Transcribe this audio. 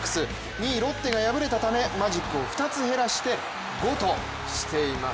２位ロッテが敗れたためマジックを２つ減らして５としています。